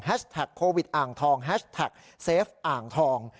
โควิดอ่างทองแฮชแท็กเซฟอ่างทอง